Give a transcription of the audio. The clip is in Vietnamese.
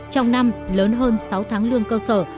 trong năm lớn hơn sáu tháng lương cơ sở